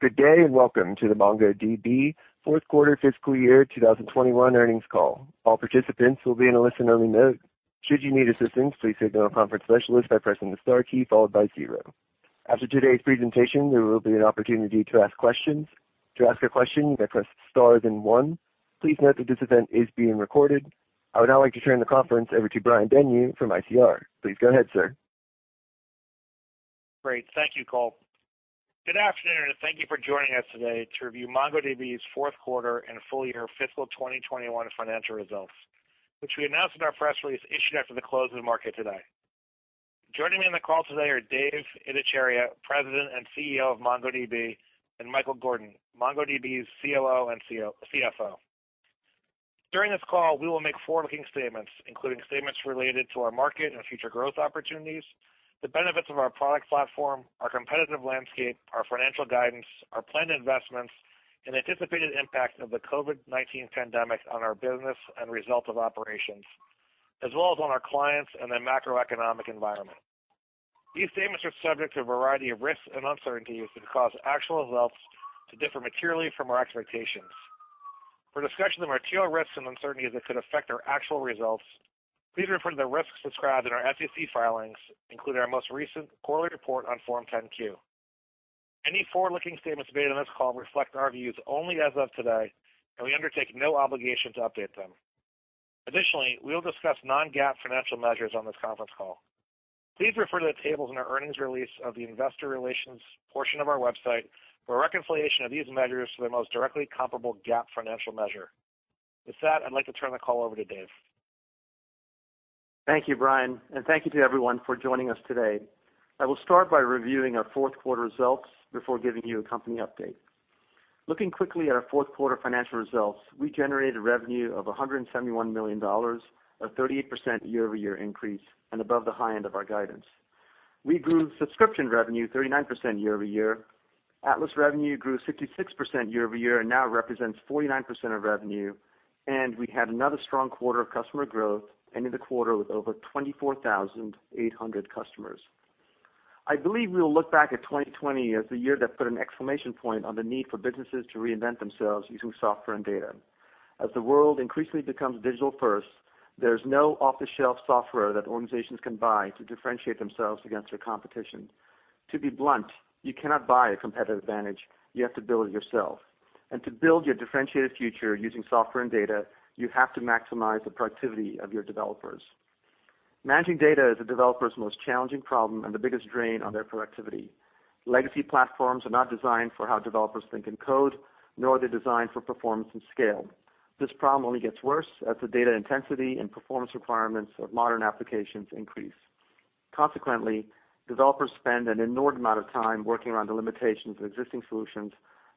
Good day, and welcome to the MongoDB fourth quarter fiscal year 2021 earnings call. I would now like to turn the conference over to Brian Denyeau from ICR. Please go ahead, sir. Great. Thank you, Cole. Good afternoon. Thank you for joining us today to review MongoDB's fourth quarter and full year fiscal 2021 financial results, which we announced in our press release issued after the close of the market today. Joining me on the call today are Dev Ittycheria, President and CEO of MongoDB, and Michael Gordon, MongoDB's COO and CFO. During this call, we will make forward-looking statements, including statements related to our market and future growth opportunities, the benefits of our product platform, our competitive landscape, our financial guidance, our planned investments, and anticipated impact of the COVID-19 pandemic on our business and results of operations, as well as on our clients and the macroeconomic environment. These statements are subject to a variety of risks and uncertainties that could cause actual results to differ materially from our expectations. For discussion of material risks and uncertainties that could affect our actual results, please refer to the risks described in our SEC filings, including our most recent quarterly report on Form 10-Q. Any forward-looking statements made on this call reflect our views only as of today. We undertake no obligation to update them. Additionally, we will discuss non-GAAP financial measures on this conference call. Please refer to the tables in our earnings release of the investor relations portion of our website for a reconciliation of these measures to their most directly comparable GAAP financial measure. With that, I'd like to turn the call over to Dev. Thank you, Brian, and thank you to everyone for joining us today. I will start by reviewing our fourth quarter results before giving you a company update. Looking quickly at our fourth quarter financial results, we generated revenue of $171 million, a 38% year-over-year increase, and above the high end of our guidance. We grew subscription revenue 39% year-over-year. Atlas revenue grew 66% year-over-year and now represents 49% of revenue, and we had another strong quarter of customer growth, ending the quarter with over 24,800 customers. I believe we'll look back at 2020 as the year that put an exclamation point on the need for businesses to reinvent themselves using software and data. As the world increasingly becomes digital first, there's no off-the-shelf software that organizations can buy to differentiate themselves against their competition. To be blunt, you cannot buy a competitive advantage. You have to build it yourself. To build your differentiated future using software and data, you have to maximize the productivity of your developers. Managing data is a developer's most challenging problem and the biggest drain on their productivity. Legacy platforms are not designed for how developers think and code, nor are they designed for performance and scale. This problem only gets worse as the data intensity and performance requirements of modern applications increase. Consequently, developers spend an inordinate amount of time working around the limitations of existing solutions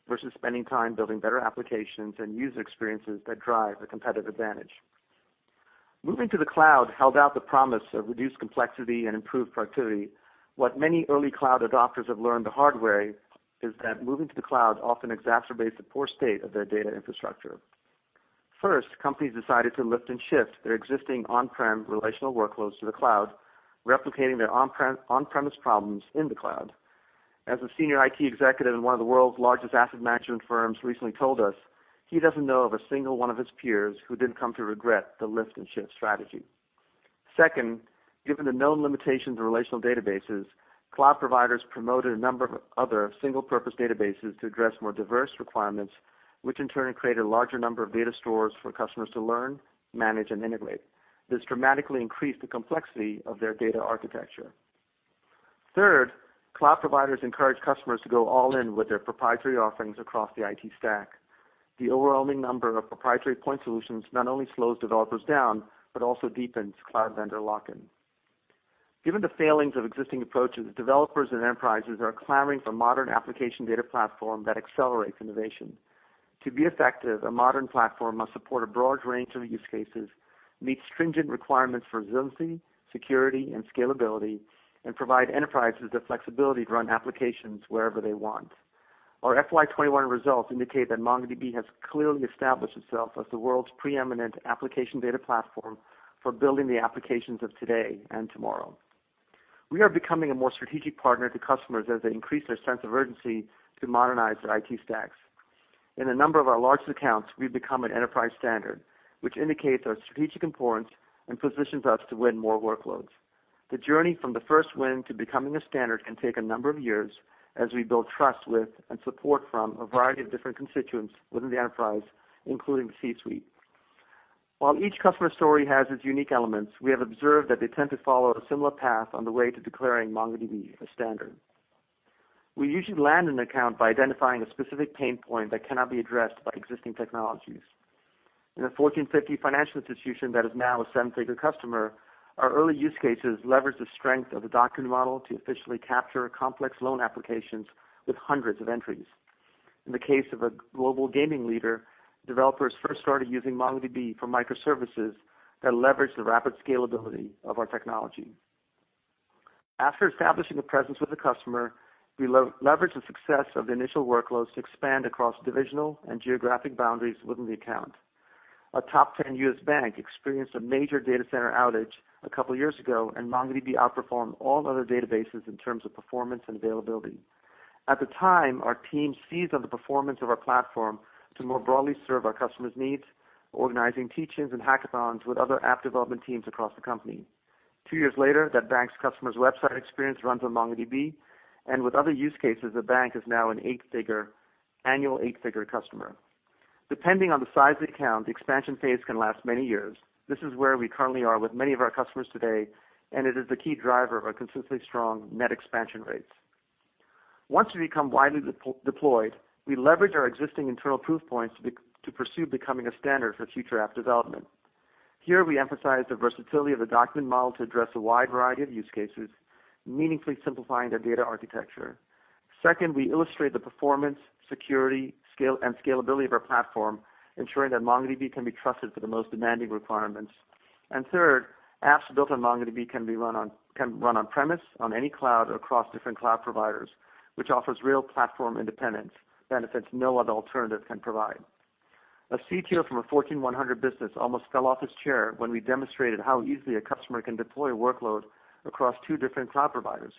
versus spending time building better applications and user experiences that drive a competitive advantage. Moving to the cloud held out the promise of reduced complexity and improved productivity. What many early cloud adopters have learned the hard way is that moving to the cloud often exacerbates the poor state of their data infrastructure. First, companies decided to lift and shift their existing on-prem relational workloads to the cloud, replicating their on-premise problems in the cloud. As a senior IT executive in one of the world's largest asset management firms recently told us, he doesn't know of a single one of his peers who didn't come to regret the lift and shift strategy. Second, given the known limitations of relational databases, cloud providers promoted a number of other single-purpose databases to address more diverse requirements, which in turn created a larger number of data stores for customers to learn, manage, and integrate. This dramatically increased the complexity of their data architecture. Third, cloud providers encourage customers to go all in with their proprietary offerings across the IT stack. The overwhelming number of proprietary point solutions not only slows developers down but also deepens cloud vendor lock-in. Given the failings of existing approaches, developers and enterprises are clamoring for modern application data platform that accelerates innovation. To be effective, a modern platform must support a broad range of use cases, meet stringent requirements for resiliency, security, and scalability, and provide enterprises the flexibility to run applications wherever they want. Our FY 2021 results indicate that MongoDB has clearly established itself as the world's preeminent application data platform for building the applications of today and tomorrow. We are becoming a more strategic partner to customers as they increase their sense of urgency to modernize their IT stacks. In a number of our largest accounts, we've become an enterprise standard, which indicates our strategic importance and positions us to win more workloads. The journey from the first win to becoming a standard can take a number of years as we build trust with and support from a variety of different constituents within the enterprise, including the C-suite. While each customer story has its unique elements, we have observed that they tend to follow a similar path on the way to declaring MongoDB a standard. We usually land an account by identifying a specific pain point that cannot be addressed by existing technologies. In a Fortune 50 financial institution that is now a $7-figure customer, our early use cases leveraged the strength of the document model to efficiently capture complex loan applications with hundreds of entries. In the case of a global gaming leader, developers first started using MongoDB for microservices that leveraged the rapid scalability of our technology. After establishing a presence with the customer, we leveraged the success of the initial workloads to expand across divisional and geographic boundaries within the account. A top 10 U.S. bank experienced a major data center outage a couple of years ago, and MongoDB outperformed all other databases in terms of performance and availability. At the time, our team seized on the performance of our platform to more broadly serve our customers' needs, organizing teach-ins and hackathons with other app development teams across the company. Two years later, that bank's customer's website experience runs on MongoDB, and with other use cases, the bank is now an annual eight-figure customer. Depending on the size of the account, the expansion phase can last many years. This is where we currently are with many of our customers today, and it is the key driver of our consistently strong net expansion rates. Once we become widely deployed, we leverage our existing internal proof points to pursue becoming a standard for future app development. Here we emphasize the versatility of the document model to address a wide variety of use cases, meaningfully simplifying their data architecture. Second, we illustrate the performance, security, and scalability of our platform, ensuring that MongoDB can be trusted for the most demanding requirements. Third, apps built on MongoDB can run on-premise, on any cloud, across different cloud providers, which offers real platform independence, benefits no other alternative can provide. A CTO from a Fortune 100 business almost fell off his chair when we demonstrated how easily a customer can deploy a workload across two different cloud providers.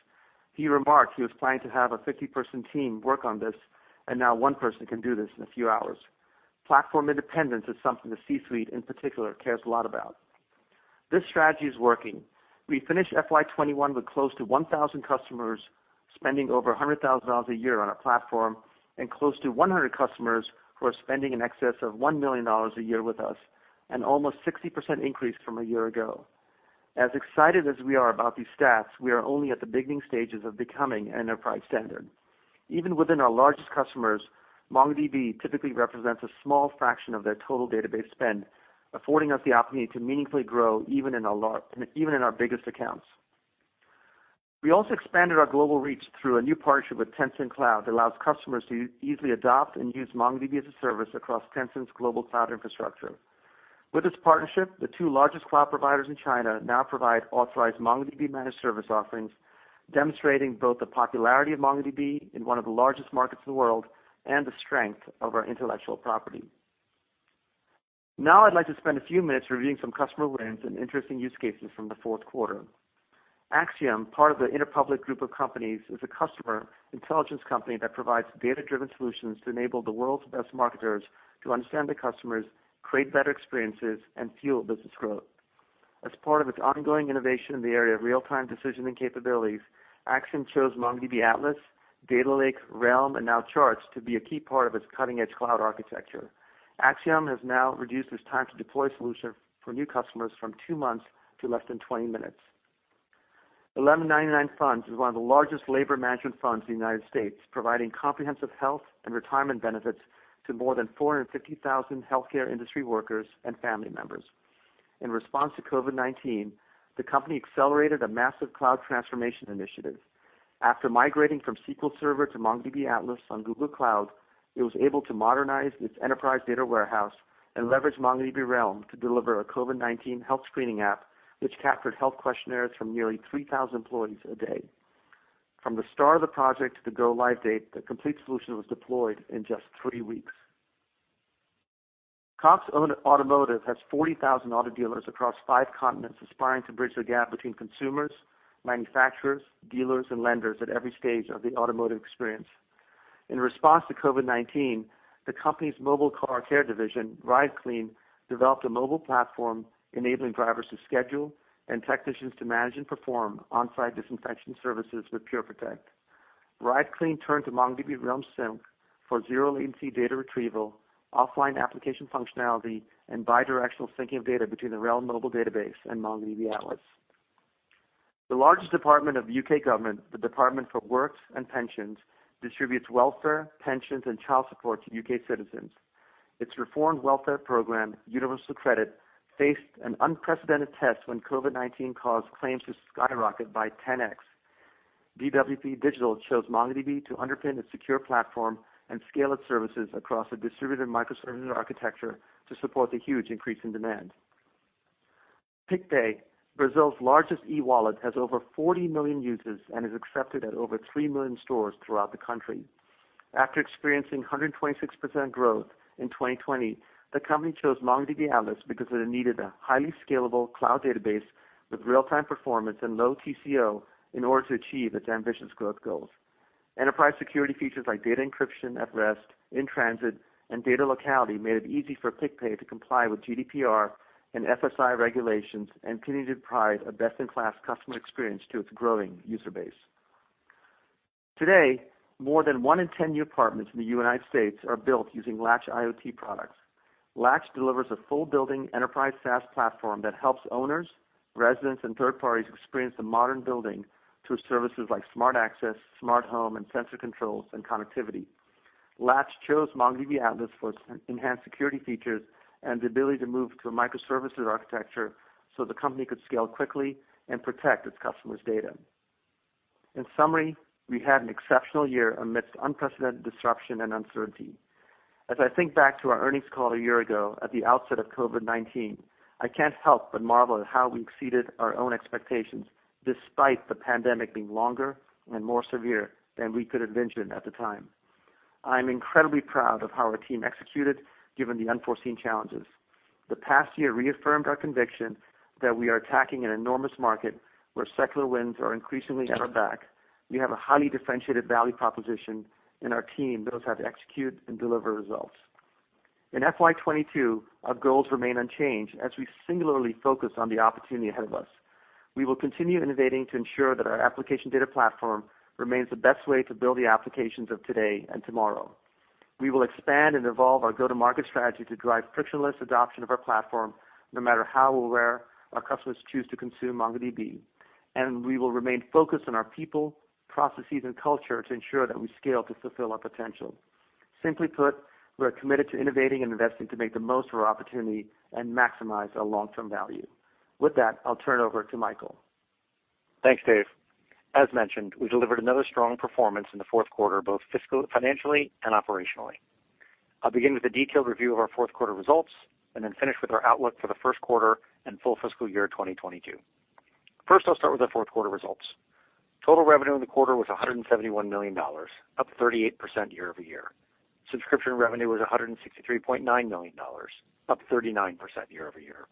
He remarked he was planning to have a 50-person team work on this, and now one person can do this in a few hours. Platform independence is something the C-suite, in particular, cares a lot about. This strategy is working. We finished FY 2021 with close to 1,000 customers spending over $100,000 a year on our platform and close to 100 customers who are spending in excess of $1 million a year with us, an almost 60% increase from a year ago. As excited as we are about these stats, we are only at the beginning stages of becoming an enterprise standard. Even within our largest customers, MongoDB typically represents a small fraction of their total database spend, affording us the opportunity to meaningfully grow even in our biggest accounts. We also expanded our global reach through a new partnership with Tencent Cloud that allows customers to easily adopt and use MongoDB as a service across Tencent's global cloud infrastructure. With this partnership, the two largest cloud providers in China now provide authorized MongoDB managed service offerings, demonstrating both the popularity of MongoDB in one of the largest markets in the world and the strength of our intellectual property. I'd like to spend a few minutes reviewing some customer wins and interesting use cases from the fourth quarter. Acxiom, part of the Interpublic Group of Companies, is a customer intelligence company that provides data-driven solutions to enable the world's best marketers to understand their customers, create better experiences, and fuel business growth. As part of its ongoing innovation in the area of real-time decisioning capabilities, Acxiom chose MongoDB Atlas, Data Lake, Realm, and now Charts to be a key part of its cutting-edge cloud architecture. Acxiom has now reduced its time to deploy solution for new customers from two months to less than 20 minutes. 1199SEIU Funds is one of the largest labor management funds in the United States, providing comprehensive health and retirement benefits to more than 450,000 healthcare industry workers and family members. In response to COVID-19, the company accelerated a massive cloud transformation initiative. After migrating from SQL Server to MongoDB Atlas on Google Cloud, it was able to modernize its enterprise data warehouse and leverage MongoDB Realm to deliver a COVID-19 health screening app, which captured health questionnaires from nearly 3,000 employees a day. From the start of the project to the go-live date, the complete solution was deployed in just three weeks. Cox Automotive has 40,000 auto dealers across five continents aspiring to bridge the gap between consumers, manufacturers, dealers, and lenders at every stage of the automotive experience. In response to COVID-19, the company's mobile car care division, RideKleen, developed a mobile platform enabling drivers to schedule and technicians to manage and perform on-site disinfection services with Pure Protect. RideKleen turned to MongoDB Realm Sync for zero-latency data retrieval, offline application functionality, and bi-directional syncing of data between the Realm mobile database and MongoDB Atlas. The largest department of the U.K. government, the Department for Work and Pensions, distributes welfare, pensions, and child support to U.K. citizens. Its reformed welfare program, Universal Credit, faced an unprecedented test when COVID-19 caused claims to skyrocket by 10X. DWP Digital chose MongoDB to underpin its secure platform and scale its services across a distributed microservice architecture to support the huge increase in demand. PicPay, Brazil's largest e-wallet, has over 40 million users and is accepted at over 3 million stores throughout the country. After experiencing 126% growth in 2020, the company chose MongoDB Atlas because it needed a highly scalable cloud database with real-time performance and low TCO in order to achieve its ambitious growth goals. Enterprise security features like data encryption at rest, in transit, and data locality made it easy for PicPay to comply with GDPR and FSI regulations and continue to provide a best-in-class customer experience to its growing user base. Today, more than one in 10 new apartments in the U.S. are built using Latch IoT products. Latch delivers a full-building enterprise SaaS platform that helps owners, residents, and third parties experience the modern building through services like smart access, smart home, and sensor controls and connectivity. Latch chose MongoDB Atlas for its enhanced security features and the ability to move to a microservices architecture so the company could scale quickly and protect its customers' data. In summary, we had an exceptional year amidst unprecedented disruption and uncertainty. As I think back to our earnings call a year ago at the outset of COVID-19, I can't help but marvel at how we've exceeded our own expectations, despite the pandemic being longer and more severe than we could have envisioned at the time. I'm incredibly proud of how our team executed, given the unforeseen challenges. The past year reaffirmed our conviction that we are attacking an enormous market where secular winds are increasingly at our back. We have a highly differentiated value proposition, and our team knows how to execute and deliver results. In FY 2022, our goals remain unchanged as we singularly focus on the opportunity ahead of us. We will continue innovating to ensure that our application data platform remains the best way to build the applications of today and tomorrow. We will expand and evolve our go-to-market strategy to drive frictionless adoption of our platform, no matter how or where our customers choose to consume MongoDB, and we will remain focused on our people, processes, and culture to ensure that we scale to fulfill our potential. Simply put, we are committed to innovating and investing to make the most of our opportunity and maximize our long-term value. With that, I'll turn it over to Michael. Thanks, Dev. As mentioned, we delivered another strong performance in the fourth quarter, both financially and operationally. I'll begin with a detailed review of our fourth quarter results and then finish with our outlook for the first quarter and full fiscal year 2022. I'll start with our fourth quarter results. Total revenue in the quarter was $171 million, up 38% year-over-year. Subscription revenue was $163.9 million, up 39% year-over-year,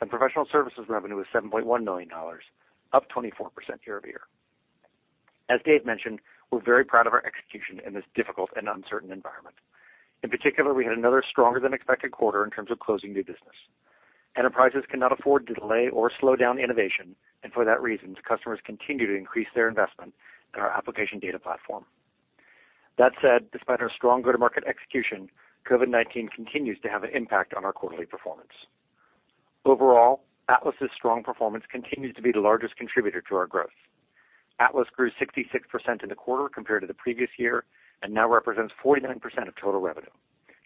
and professional services revenue was $7.1 million, up 24% year-over-year. As Dev mentioned, we're very proud of our execution in this difficult and uncertain environment. In particular, we had another stronger than expected quarter in terms of closing new business. Enterprises cannot afford to delay or slow down innovation, and for that reason, customers continue to increase their investment in our application data platform. That said, despite our strong go-to-market execution, COVID-19 continues to have an impact on our quarterly performance. Overall, Atlas's strong performance continues to be the largest contributor to our growth. Atlas grew 66% in the quarter compared to the previous year and now represents 49% of total revenue,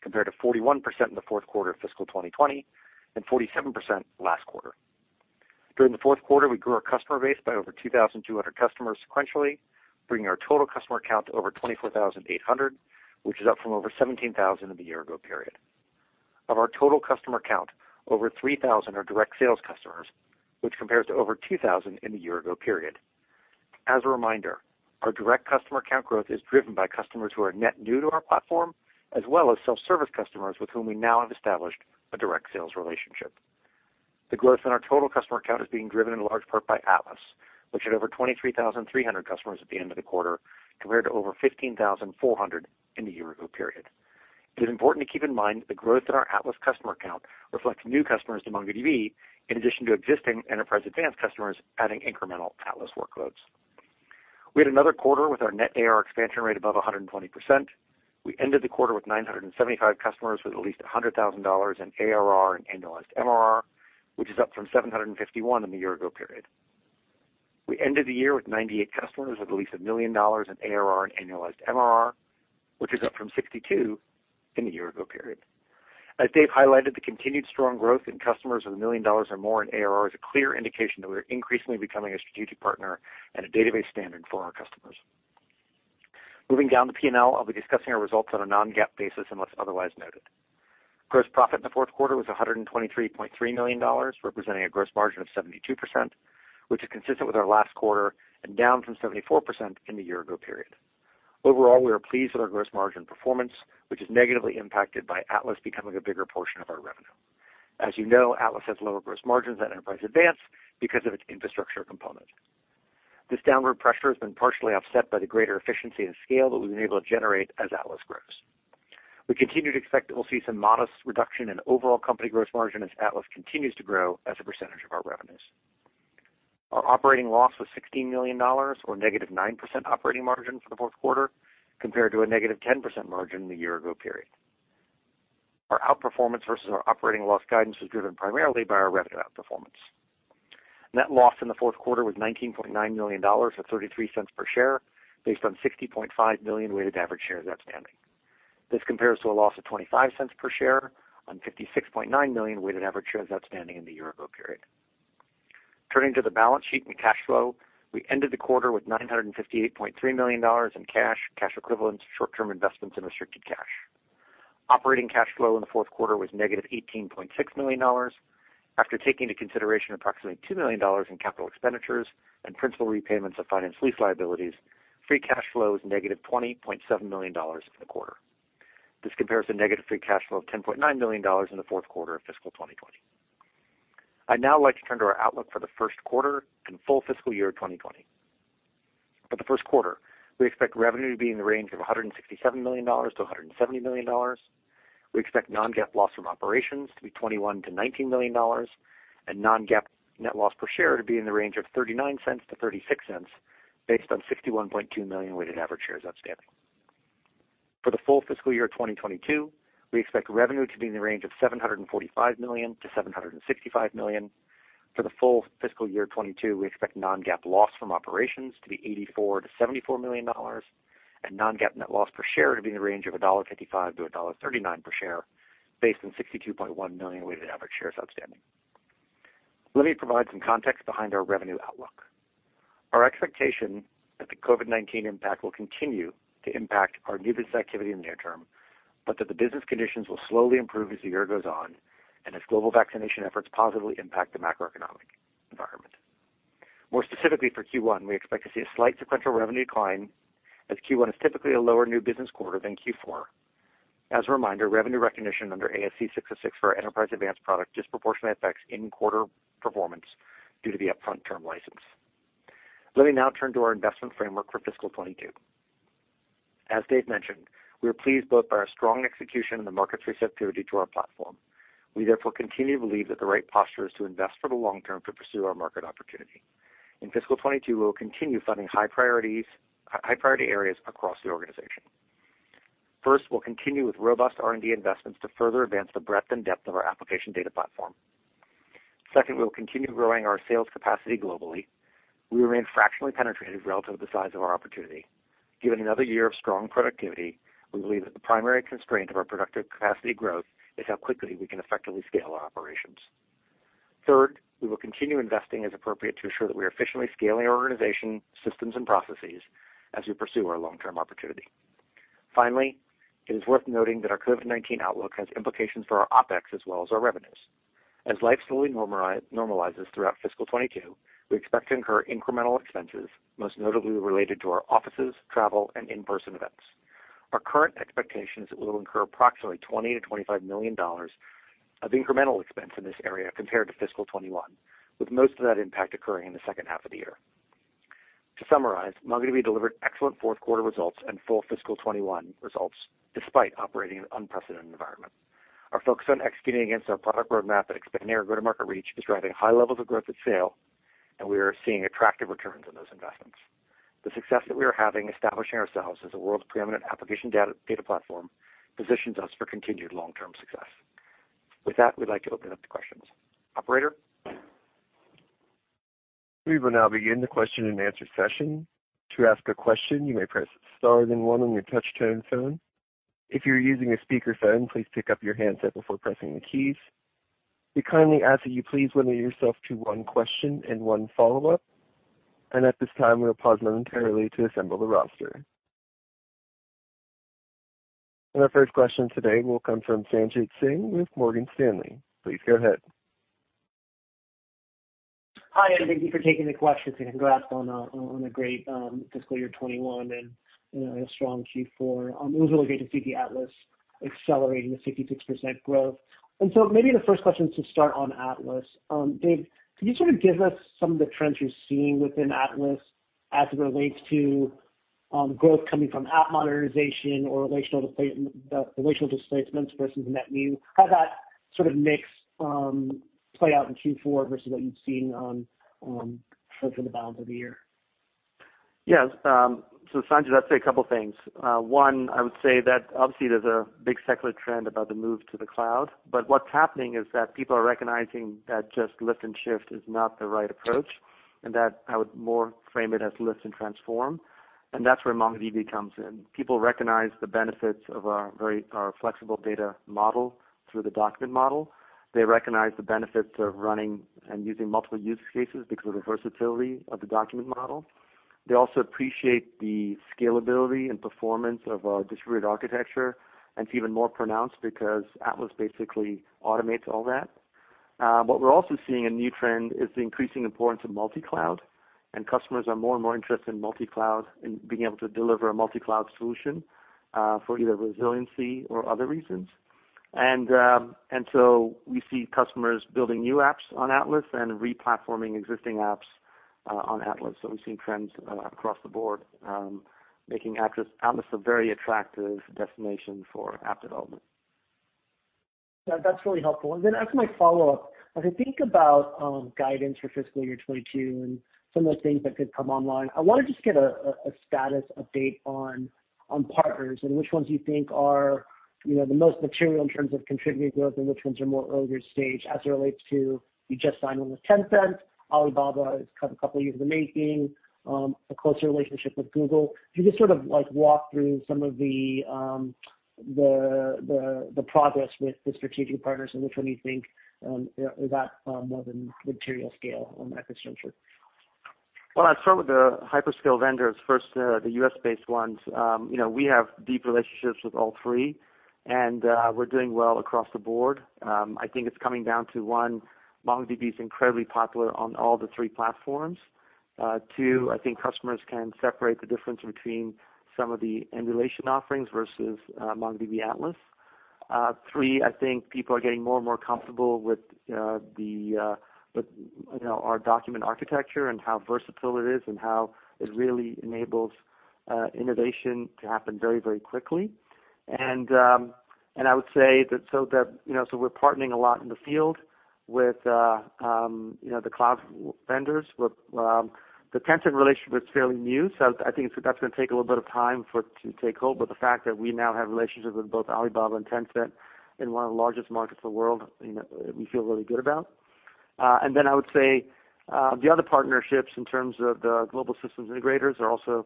compared to 41% in the fourth quarter of fiscal 2020 and 47% last quarter. During the fourth quarter, we grew our customer base by over 2,200 customers sequentially, bringing our total customer count to over 24,800, which is up from over 17,000 in the year-ago period. Of our total customer count, over 3,000 are direct sales customers, which compares to over 2,000 in the year-ago period. As a reminder, our direct customer count growth is driven by customers who are net new to our platform, as well as self-service customers with whom we now have established a direct sales relationship. The growth in our total customer count is being driven in large part by Atlas, which had over 23,300 customers at the end of the quarter, compared to over 15,400 in the year-ago period. It is important to keep in mind that the growth in our Atlas customer count reflects new customers to MongoDB, in addition to existing Enterprise Advanced customers adding incremental Atlas workloads. We had another quarter with our net ARR expansion rate above 120%. We ended the quarter with 975 customers with at least $100,000 in ARR and annualized MRR, which is up from 751 in the year-ago period. We ended the year with 98 customers with at least $1 million in ARR and annualized MRR, which is up from 62 in the year-ago period. As Dev highlighted, the continued strong growth in customers with $1 million or more in ARR is a clear indication that we are increasingly becoming a strategic partner and a database standard for our customers. Moving down to P&L, I'll be discussing our results on a non-GAAP basis unless otherwise noted. Gross profit in the fourth quarter was $123.3 million, representing a gross margin of 72%, which is consistent with our last quarter and down from 74% in the year-ago period. Overall, we are pleased with our gross margin performance, which is negatively impacted by Atlas becoming a bigger portion of our revenue. As you know, Atlas has lower gross margins than Enterprise Advanced because of its infrastructure component. This downward pressure has been partially offset by the greater efficiency and scale that we've been able to generate as Atlas grows. We continue to expect that we'll see some modest reduction in overall company gross margin as Atlas continues to grow as a percentage of our revenues. Our operating loss was $16 million, or -9% operating margin for the fourth quarter, compared to a -10% margin in the year-ago period. Our outperformance versus our operating loss guidance was driven primarily by our revenue outperformance. Net loss in the fourth quarter was $19.9 million, or $0.33 per share, based on 60.5 million weighted average shares outstanding. This compares to a loss of $0.25 per share on 56.9 million weighted average shares outstanding in the year-ago period. Turning to the balance sheet and cash flow, we ended the quarter with $958.3 million in cash equivalents, short-term investments, and restricted cash. Operating cash flow in the fourth quarter was -$18.6 million. After taking into consideration approximately $2 million in capital expenditures and principal repayments of finance lease liabilities, free cash flow is negative $20.7 million in the quarter. This compares to negative free cash flow of $10.9 million in the fourth quarter of fiscal 2020. I'd now like to turn to our outlook for the first quarter and full fiscal year 2020. For the first quarter, we expect revenue to be in the range of $167 million-$170 million. We expect non-GAAP loss from operations to be $21 million-$19 million and non-GAAP net loss per share to be in the range of $0.39-$0.36 based on 61.2 million weighted average shares outstanding. For the full fiscal year 2022, we expect revenue to be in the range of $745 million-$765 million. For the full fiscal year 2022, we expect non-GAAP loss from operations to be $84 million-$74 million and non-GAAP net loss per share to be in the range of $1.55-$1.39 per share based on 62.1 million weighted average shares outstanding. Let me provide some context behind our revenue outlook. Our expectation that the COVID-19 impact will continue to impact our new business activity in the near term, but that the business conditions will slowly improve as the year goes on and as global vaccination efforts positively impact the macroeconomic environment. More specifically for Q1, we expect to see a slight sequential revenue decline as Q1 is typically a lower new business quarter than Q4. As a reminder, revenue recognition under ASC 606 for our Enterprise Advanced product disproportionately affects in-quarter performance due to the upfront term license. Let me now turn to our investment framework for fiscal 2022. As Dev mentioned, we are pleased both by our strong execution and the market's receptivity to our platform. We therefore continue to believe that the right posture is to invest for the long term to pursue our market opportunity. In fiscal 2022, we will continue funding high-priority areas across the organization. First, we'll continue with robust R&D investments to further advance the breadth and depth of our application data platform. Second, we will continue growing our sales capacity globally. We remain fractionally penetrated relative to the size of our opportunity. Given another year of strong productivity, we believe that the primary constraint of our productive capacity growth is how quickly we can effectively scale our operations. Third, we will continue investing as appropriate to ensure that we are efficiently scaling our organization, systems, and processes as we pursue our long-term opportunity. Finally, it is worth noting that our COVID-19 outlook has implications for our OpEx as well as our revenues. As life slowly normalizes throughout fiscal 2022, we expect to incur incremental expenses, most notably related to our offices, travel, and in-person events. Our current expectation is that we will incur approximately $20 million-$25 million of incremental expense in this area compared to fiscal 2021, with most of that impact occurring in the second half of the year. To summarize, MongoDB delivered excellent fourth quarter results and full fiscal 2021 results despite operating in an unprecedented environment. Our focus on executing against our product roadmap and expanding our go-to-market reach is driving high levels of growth at sale, and we are seeing attractive returns on those investments. The success that we are having establishing ourselves as the world's pre-eminent application data platform positions us for continued long-term success. With that, we'd like to open up to questions. Operator? We will now begin the question-and-answer session. To ask a question, you may press star then one on your touch tone phone. If you're using a speakerphone, please pick up your handset before pressing the keys. We kindly ask that you please limit yourself to one question and one follow-up. At this time, we will pause momentarily to assemble the roster. Our first question today will come from Sanjit Singh with Morgan Stanley. Please go ahead. Hi, and thank you for taking the questions, and congrats on a great fiscal year 2021 and a strong Q4. It was really great to see the Atlas accelerating with 56% growth. Maybe the first question to start on Atlas. Dev, could you sort of give us some of the trends you're seeing within Atlas as it relates to growth coming from app modernization or relational displacements versus net new? How that sort of mix play out in Q4 versus what you've seen for the balance of the year? Yes. Sanjit, I'd say a couple of things. One, I would say that obviously there's a big secular trend about the move to the cloud. What's happening is that people are recognizing that just lift and shift is not the right approach, and that I would more frame it as lift and transform. That's where MongoDB comes in. People recognize the benefits of our flexible data model through the document model. They recognize the benefits of running and using multiple use cases because of the versatility of the document model. They also appreciate the scalability and performance of our distributed architecture, and it's even more pronounced because Atlas basically automates all that. We're also seeing a new trend is the increasing importance of multi-cloud, customers are more and more interested in multi-cloud and being able to deliver a multi-cloud solution for either resiliency or other reasons. We see customers building new apps on Atlas and re-platforming existing apps on Atlas. We're seeing trends across the board making Atlas a very attractive destination for app development. That's really helpful. As my follow-up, as I think about guidance for fiscal year 2022 and some of the things that could come online, I want to just get a status update on partners and which ones you think are the most material in terms of contributing growth and which ones are more earlier stage as it relates to you just signed one with Tencent, Alibaba is a couple of years in the making, a closer relationship with Google. Can you just sort of walk through some of the progress with the strategic partners and which one you think got more of a material scale on that front? Well, I'd start with the hyperscale vendors first, the U.S.-based ones. We have deep relationships with all three, and we're doing well across the board. I think it's coming down to one, MongoDB is incredibly popular on all the three platforms. Two, I think customers can separate the difference between some of the emulation offerings versus MongoDB Atlas. Three, I think people are getting more and more comfortable with our document architecture and how versatile it is and how it really enables innovation to happen very, very quickly. I would say that we're partnering a lot in the field with the cloud vendors. The Tencent relationship is fairly new, so I think that's going to take a little bit of time to take hold. The fact that we now have relationships with both Alibaba and Tencent in one of the largest markets in the world, we feel really good about. Then I would say the other partnerships in terms of the global systems integrators are also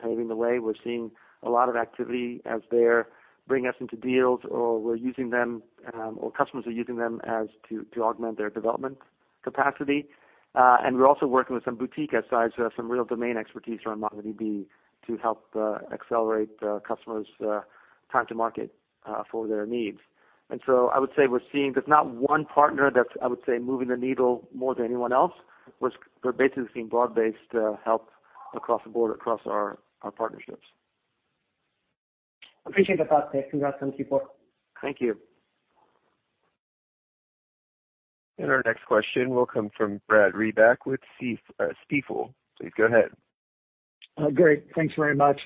paving the way. We're seeing a lot of activity as they're bringing us into deals or customers are using them to augment their development capacity. We're also working with some boutique guys who have some real domain expertise around MongoDB to help accelerate customers' time to market for their needs. So I would say there's not one partner that I would say moving the needle more than anyone else. We're basically seeing broad-based help across the board, across our partnerships. Appreciate the thoughts, Dev. Congrats on Q4. Thank you. Our next question will come from Brad Reback with Stifel. Please go ahead. Thanks very much.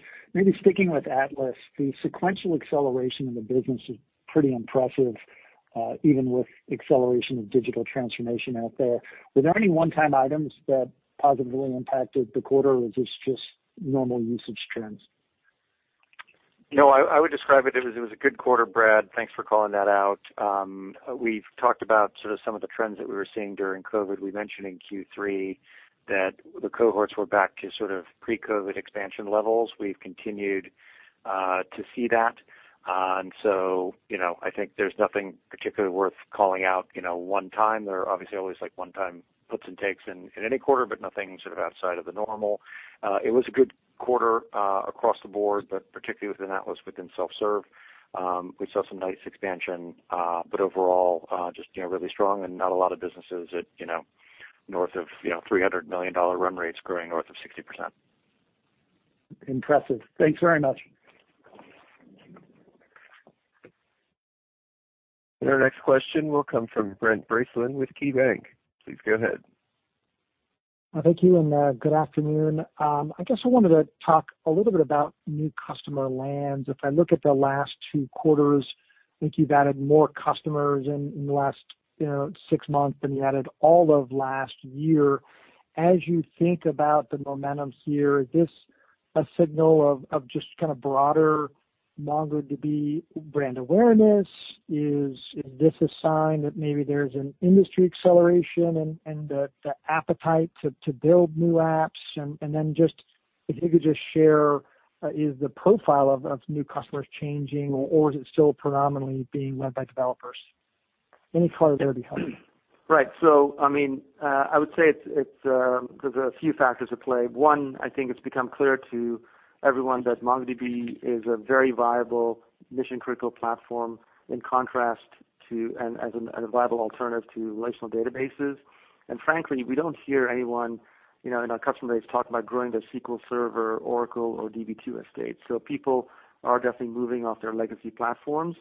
Sticking with Atlas, the sequential acceleration in the business is pretty impressive, even with acceleration of digital transformation out there. Were there any one-time items that positively impacted the quarter, or was this just normal usage trends? No, I would describe it as it was a good quarter, Brad. Thanks for calling that out. We've talked about some of the trends that we were seeing during COVID. We mentioned in Q3 that the cohorts were back to pre-COVID expansion levels. We've continued to see that. I think there's nothing particularly worth calling out one time. There are obviously always one-time puts and takes in any quarter, but nothing outside of the normal. It was a good quarter across the board, but particularly within Atlas, within self-serve. We saw some nice expansion, but overall, just really strong and not a lot of businesses north of $300 million run rates growing north of 60%. Impressive. Thanks very much. Our next question will come from Brent Bracelin with KeyBank. Please go ahead. Thank you, and good afternoon. I guess I wanted to talk a little bit about new customer lands. If I look at the last two quarters, I think you've added more customers in the last six months than you added all of last year. As you think about the momentum here, is this a signal of just broader MongoDB brand awareness? Is this a sign that maybe there's an industry acceleration and the appetite to build new apps? If you could just share, is the profile of new customers changing, or is it still predominantly being led by developers? Any color there would be helpful. Right. I would say there's a few factors at play. One, I think it's become clear to everyone that MongoDB is a very viable mission-critical platform as a viable alternative to relational databases. Frankly, we don't hear anyone in our customer base talk about growing their SQL Server, Oracle, or Db2 estate. People are definitely moving off their legacy platforms.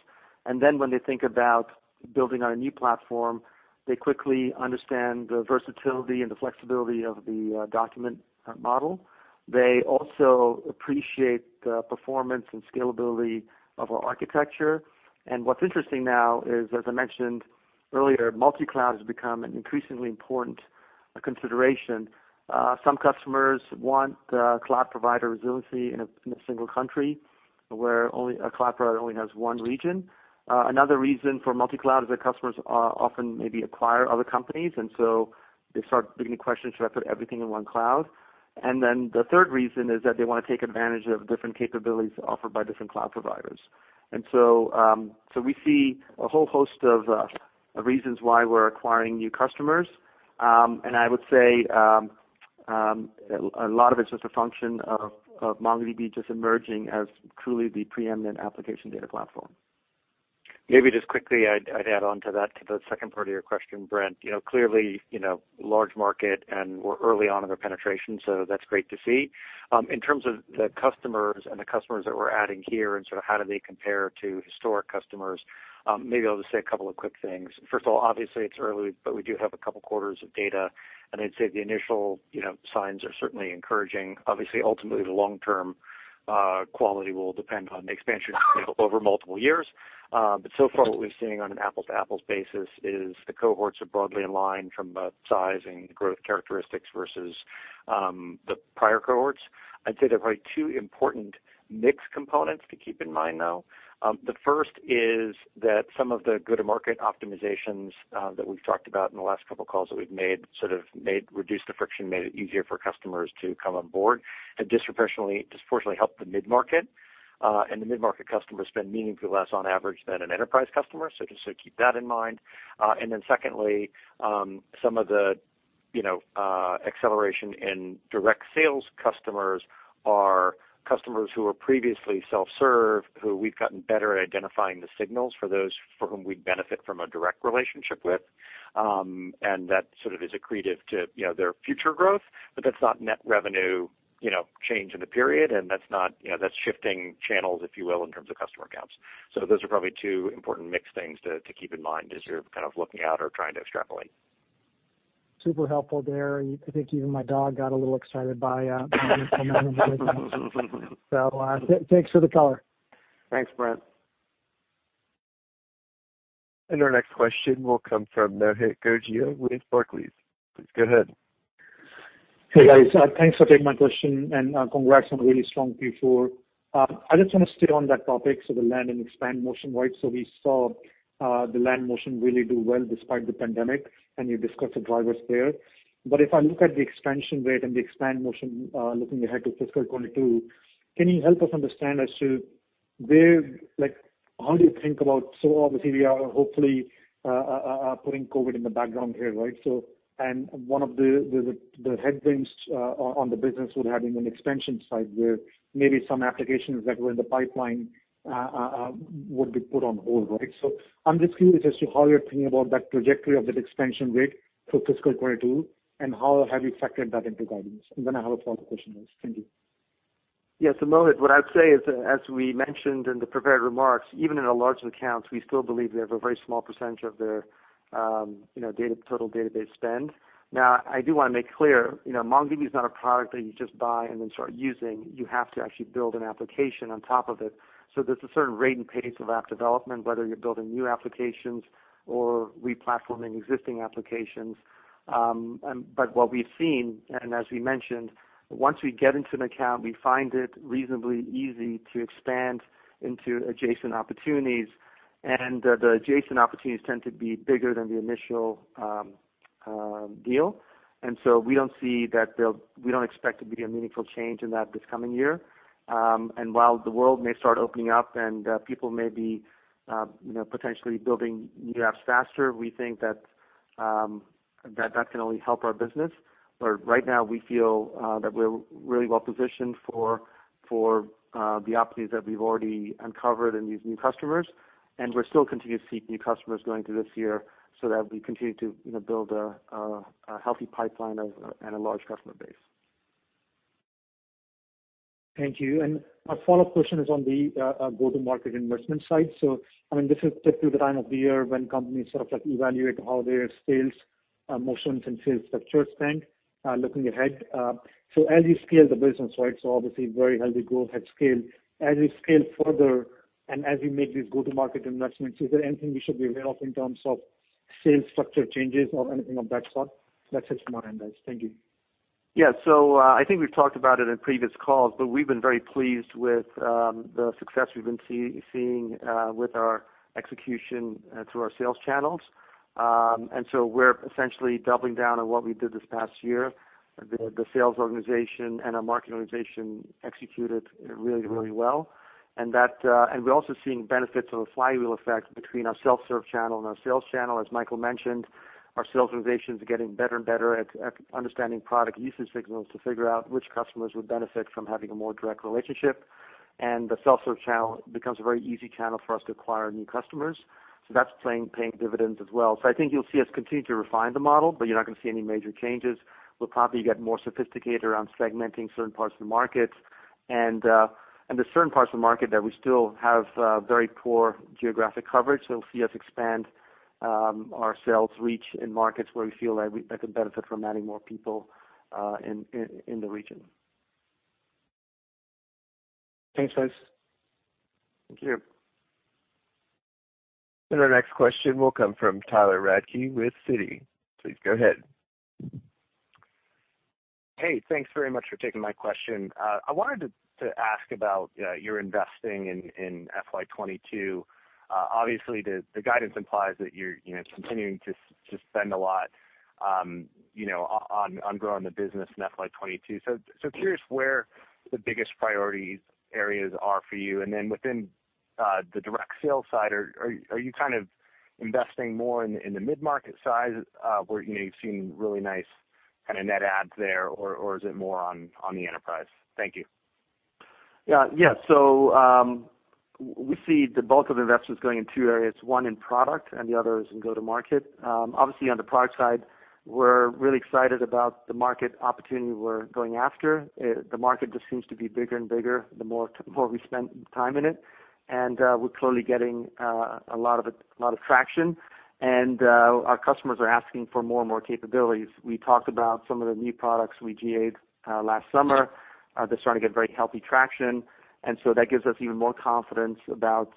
When they think about building on a new platform, they quickly understand the versatility and the flexibility of the document model. They also appreciate the performance and scalability of our architecture. What's interesting now is, as I mentioned earlier, multi-cloud has become an increasingly important consideration. Some customers want cloud provider resiliency in a single country where a cloud provider only has one region. Another reason for multi-cloud is that customers often maybe acquire other companies, and so they start beginning to question, should I put everything in one cloud? The third reason is that they want to take advantage of different capabilities offered by different cloud providers. We see a whole host of reasons why we're acquiring new customers. I would say a lot of it's just a function of MongoDB just emerging as truly the preeminent application data platform. Maybe just quickly, I'd add on to that, to the second part of your question, Brent. Clearly, large market and we're early on in our penetration, so that's great to see. In terms of the customers and the customers that we're adding here and how do they compare to historic customers, maybe I'll just say a couple of quick things. First of all, obviously it's early, but we do have a couple quarters of data, and I'd say the initial signs are certainly encouraging. So far what we've seen on an apples-to-apples basis is the cohorts are broadly in line from both size and growth characteristics versus the prior cohorts. I'd say there are probably two important mix components to keep in mind, though. The first is that some of the go-to-market optimizations that we've talked about in the last couple of calls that we've made reduced the friction, made it easier for customers to come on board. That disproportionately, fortunately helped the mid-market, and the mid-market customers spend meaningfully less on average than an enterprise customer. Just keep that in mind. Secondly, some of the acceleration in direct sales customers are customers who were previously self-serve, who we've gotten better at identifying the signals for those for whom we'd benefit from a direct relationship with. That sort of is accretive to their future growth. That's not net revenue change in the period, and that's shifting channels, if you will, in terms of customer counts. Those are probably two important mix things to keep in mind as you're looking out or trying to extrapolate. Super helpful there. I think even my dog got a little excited by that. Thanks for the color. Thanks, Brent. Our next question will come from Mohit Gogia with Barclays. Please go ahead. Hey, guys. Thanks for taking my question, and congrats on a really strong Q4. I just want to stay on that topic, the land and expand motion, right? We saw the land motion really do well despite the pandemic, and you discussed the drivers there. If I look at the expansion rate and the expand motion looking ahead to fiscal 2022, can you help us understand as to obviously we are hopefully putting COVID in the background here, right? One of the headwinds on the business would have been an expansion side where maybe some applications that were in the pipeline would be put on hold, right? I'm just curious as to how you're thinking about that trajectory of that expansion rate for fiscal 2022, and how have you factored that into guidance? I have a follow-up question. Thank you. Mohit, what I would say is, as we mentioned in the prepared remarks, even in our larger accounts, we still believe we have a very small percentage of their total database spend. I do want to make clear, MongoDB is not a product that you just buy and then start using. You have to actually build an application on top of it. There's a certain rate and pace of app development, whether you're building new applications or replatforming existing applications. What we've seen, and as we mentioned, once we get into an account, we find it reasonably easy to expand into adjacent opportunities, and the adjacent opportunities tend to be bigger than the initial deal. We don't expect to be a meaningful change in that this coming year. While the world may start opening up and people may be potentially building new apps faster, we think that can only help our business. Right now, we feel that we're really well-positioned for the opportunities that we've already uncovered in these new customers, and we still continue to see new customers going through this year so that we continue to build a healthy pipeline and a large customer base. Thank you. My follow-up question is on the go-to-market investment side. This is typically the time of the year when companies sort of evaluate how their sales motions and sales structures spend looking ahead. As you scale the business, so obviously very healthy growth at scale, as you scale further and as you make these go-to-market investments, is there anything we should be aware of in terms of sales structure changes or anything of that sort that's in your mind, guys? Thank you. Yeah. I think we've talked about it in previous calls, but we've been very pleased with the success we've been seeing with our execution through our sales channels. We're essentially doubling down on what we did this past year. The sales organization and our marketing organization executed really well. We're also seeing benefits of a flywheel effect between our self-serve channel and our sales channel. As Michael mentioned, our sales organizations are getting better and better at understanding product usage signals to figure out which customers would benefit from having a more direct relationship. The self-serve channel becomes a very easy channel for us to acquire new customers. That's paying dividends as well. I think you'll see us continue to refine the model, but you're not going to see any major changes. We'll probably get more sophisticated around segmenting certain parts of the markets and the certain parts of the market that we still have very poor geographic coverage. You'll see us expand our sales reach in markets where we feel that could benefit from adding more people in the region. Thanks, guys. Thank you. Our next question will come from Tyler Radke with Citi. Please go ahead. Hey, thanks very much for taking my question. I wanted to ask about your investing in FY 2022. Obviously, the guidance implies that you're continuing to spend a lot on growing the business in FY 2022. Curious where the biggest priority areas are for you. Then within the direct sales side, are you kind of investing more in the mid-market size where you've seen really nice kind of net adds there, or is it more on the enterprise? Thank you. Yeah. We see the bulk of investments going in two areas, one in product and the other is in go-to-market. Obviously, on the product side, we're really excited about the market opportunity we're going after. The market just seems to be bigger and bigger the more we spend time in it, and we're clearly getting a lot of traction, and our customers are asking for more and more capabilities. We talked about some of the new products we GA'd last summer that's starting to get very healthy traction, and so that gives us even more confidence about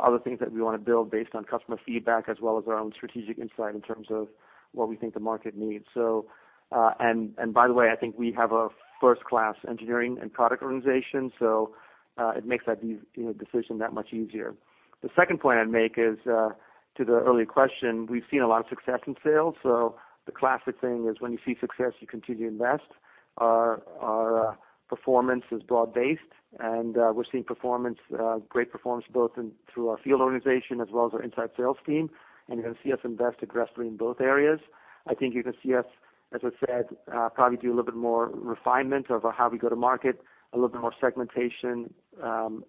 other things that we want to build based on customer feedback as well as our own strategic insight in terms of what we think the market needs. By the way, I think we have a first-class engineering and product organization, so it makes that decision that much easier. The second point I'd make is to the earlier question, we've seen a lot of success in sales. The classic thing is when you see success, you continue to invest. Our performance is broad-based, and we're seeing great performance both through our field organization as well as our inside sales team, and you're going to see us invest aggressively in both areas. I think you can see us, as I said, probably do a little bit more refinement of how we go to market, a little bit more segmentation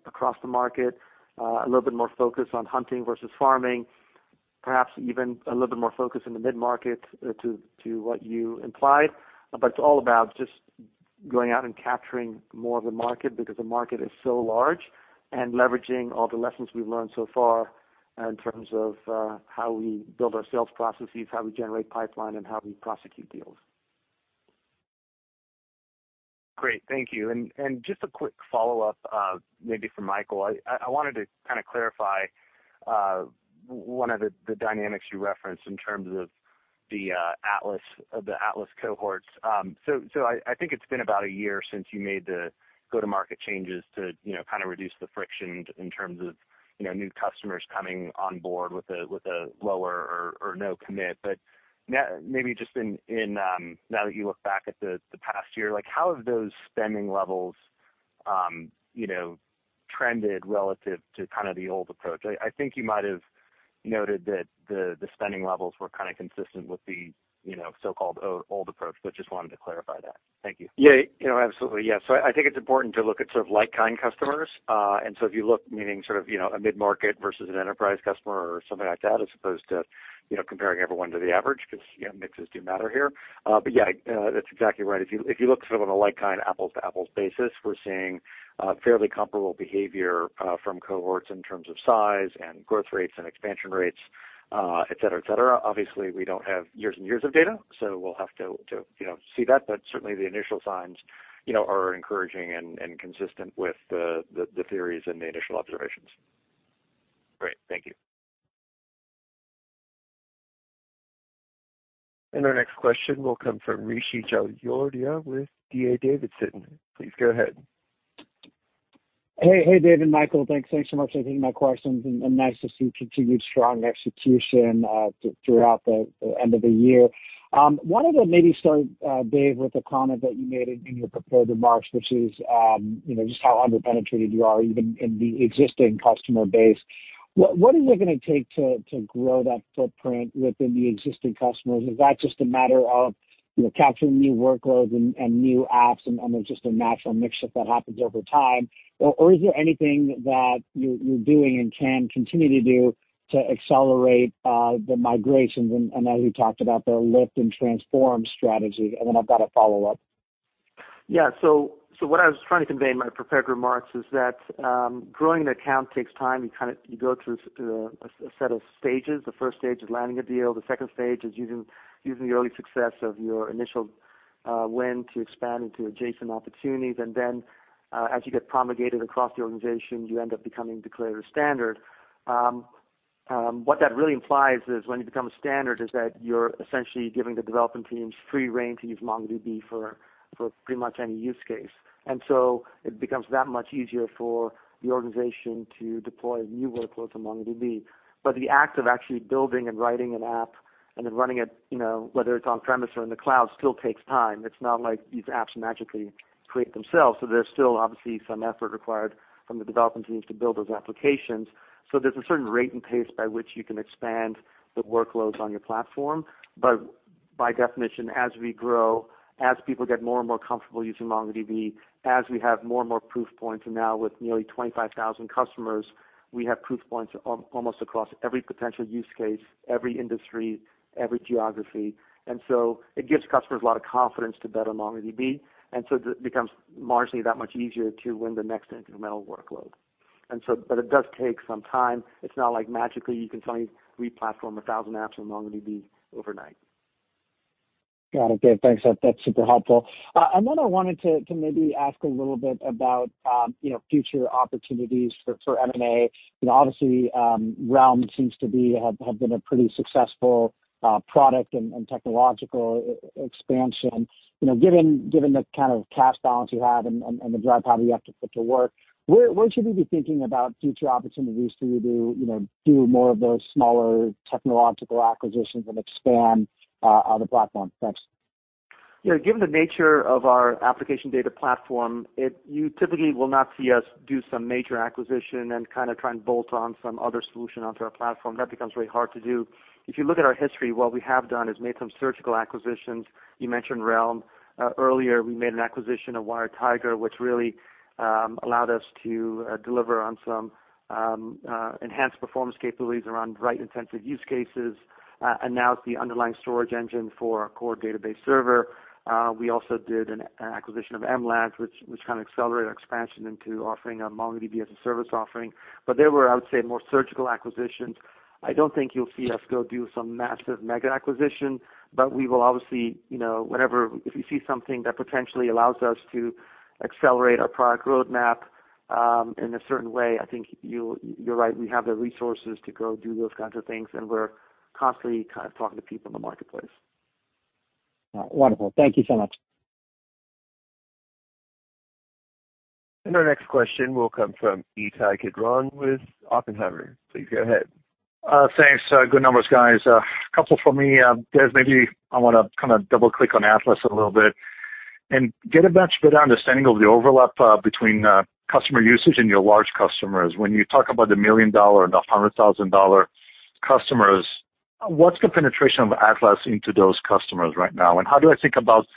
across the market, a little bit more focus on hunting versus farming, perhaps even a little bit more focus in the mid-market to what you implied. It's all about just going out and capturing more of the market because the market is so large and leveraging all the lessons we've learned so far in terms of how we build our sales processes, how we generate pipeline, and how we prosecute deals. Great. Thank you. Just a quick follow-up maybe for Michael. I wanted to kind of clarify one of the dynamics you referenced in terms of the Atlas cohorts. I think it's been about a year since you made the go-to-market changes to kind of reduce the friction in terms of new customers coming on board with a lower or no commit. Maybe just now that you look back at the past year, how have those spending levels trended relative to the old approach. I think you might have noted that the spending levels were consistent with the so-called old approach, but just wanted to clarify that. Thank you. Yeah. Absolutely. Yeah. I think it's important to look at like-kind customers. If you look, meaning a mid-market versus an enterprise customer or something like that, as opposed to comparing everyone to the average, because mixes do matter here. Yeah, that's exactly right. If you look sort of on a like-kind, apples-to-apples basis, we're seeing fairly comparable behavior from cohorts in terms of size and growth rates and expansion rates, et cetera. Obviously, we don't have years and years of data, so we'll have to see that. Certainly, the initial signs are encouraging and consistent with the theories and the initial observations. Great. Thank you. Our next question will come from Rishi Jaluria with D.A. Davidson. Please go ahead. Hey, Dev and Michael, thanks so much for taking my questions, and nice to see continued strong execution throughout the end of the year. Wanted to maybe start, Dev, with a comment that you made in your prepared remarks, which is, just how under-penetrated you are even in the existing customer base. What is it going to take to grow that footprint within the existing customers? Is that just a matter of capturing new workloads and new apps and there's just a natural mixture that happens over time? Or is there anything that you're doing and can continue to do to accelerate the migrations and as you talked about, the lift and transform strategy? Then I've got a follow-up. Yeah. What I was trying to convey in my prepared remarks is that growing an account takes time. You go through a set of stages. The stage one is landing a deal. The stage two is using the early success of your initial win to expand into adjacent opportunities. As you get promulgated across the organization, you end up becoming declared a standard. What that really implies is when you become a standard, is that you're essentially giving the development teams free rein to use MongoDB for pretty much any use case. It becomes that much easier for the organization to deploy new workloads in MongoDB. The act of actually building and writing an app and then running it, whether it's on-premise or in the cloud, still takes time. It's not like these apps magically create themselves. There's still obviously some effort required from the development teams to build those applications. There's a certain rate and pace by which you can expand the workloads on your platform. By definition, as we grow, as people get more and more comfortable using MongoDB, as we have more and more proof points, and now with nearly 25,000 customers, we have proof points almost across every potential use case, every industry, every geography. It gives customers a lot of confidence to bet on MongoDB. It becomes marginally that much easier to win the next incremental workload. It does take some time. It's not like magically you can suddenly re-platform 1,000 apps on MongoDB overnight. Got it, Dev. Thanks. That's super helpful. Then I wanted to maybe ask a little bit about future opportunities for M&A. Obviously, Realm seems to have been a pretty successful product and technological expansion. Given the kind of cash balance you have and the drive, how do you have to put to work, where should we be thinking about future opportunities? Do you do more of those smaller technological acquisitions and expand the platform? Thanks. Yeah, given the nature of our application data platform, you typically will not see us do some major acquisition and try and bolt on some other solution onto our platform. That becomes very hard to do. If you look at our history, what we have done is made some surgical acquisitions. You mentioned Realm. Earlier, we made an acquisition of WiredTiger, which really allowed us to deliver on some enhanced performance capabilities around write-intensive use cases, and now it's the underlying storage engine for our core database server. We also did an acquisition of mLab, which kind of accelerated our expansion into offering MongoDB as a service offering. They were, I would say, more surgical acquisitions. I don't think you'll see us go do some massive mega acquisition, but we will obviously, if we see something that potentially allows us to accelerate our product roadmap in a certain way, I think you're right. We have the resources to go do those kinds of things, and we're constantly talking to people in the marketplace. All right, wonderful. Thank you so much. Our next question will come from Ittai Kidron with Oppenheimer. Please go ahead. Thanks. Good numbers, guys. A couple from me. Dev, maybe I want to double-click on Atlas a little bit and get a much better understanding of the overlap between customer usage and your large customers. When you talk about the million-dollar and the hundred-thousand-dollar customers, what's the penetration of Atlas into those customers right now, and how do I think about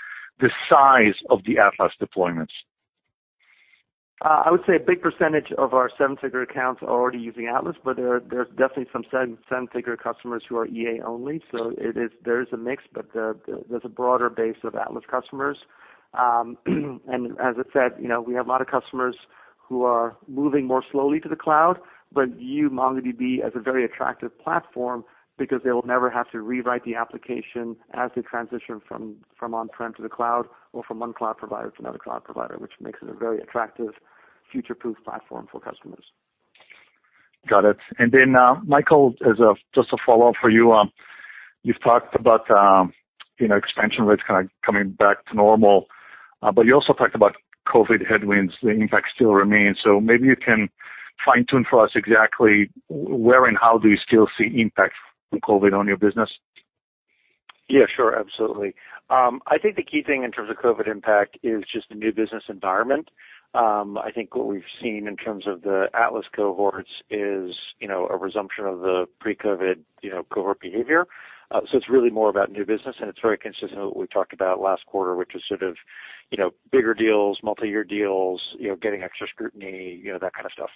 the size of the Atlas deployments? I would say a big percentage of our seven-figure accounts are already using Atlas, but there's definitely some seven-figure customers who are EA only. There is a mix, but there's a broader base of Atlas customers. As I said, we have a lot of customers who are moving more slowly to the cloud, but view MongoDB as a very attractive platform because they will never have to rewrite the application as they transition from on-prem to the cloud or from one cloud provider to another cloud provider, which makes it a very attractive future-proof platform for customers. Got it. Michael, as just a follow-up for you. You've talked about expansion rates kind of coming back to normal, but you also talked about COVID headwinds, the impact still remains. Maybe you can fine-tune for us exactly where and how do you still see impacts from COVID on your business? Yeah, sure. Absolutely. I think the key thing in terms of COVID impact is just the new business environment. I think what we've seen in terms of the Atlas cohorts is a resumption of the pre-COVID cohort behavior. It's really more about new business, and it's very consistent with what we talked about last quarter, which was sort of bigger deals, multi-year deals, getting extra scrutiny, that kind of stuff.